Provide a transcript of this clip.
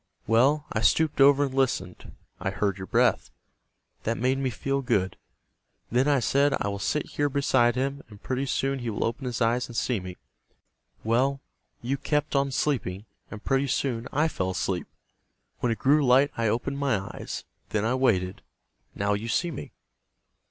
Well, I stooped over and listened. I heard your breath. That made me feel good. Then I said, 'I will sit here beside him, and pretty soon he will open his eyes and see me.' Well, you kept on sleeping, and pretty soon I fell asleep. When it grew light I opened my eyes. Then I waited. Now you see me."